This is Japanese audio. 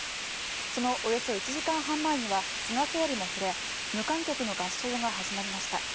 そのおよそ１時間半前には菅総理も触れ無観客の合唱が始まりました。